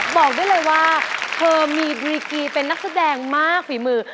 บอกได้เลยว่าเธอมีพรีกีเป็นนักแสดงมากฝีมือ